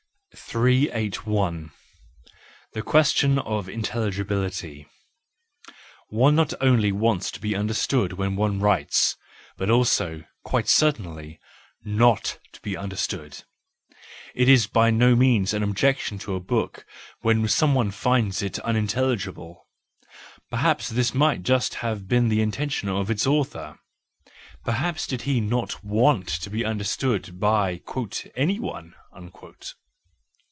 ... 381. The Question of Intelligibility .—One not only wants to be understood when one writes, but also —quite as certainly —not to be understood. It is WE FEARLESS ONES 349 by no means an objection to a book when someone finds it unintelligible : perhaps this might just have been the intention of its author,—perhaps he did not want to be understood by " anyone."